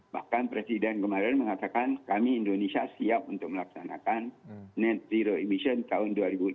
bahkan presiden kemarin mengatakan kami indonesia siap untuk melaksanakan net zero emission tahun dua ribu lima puluh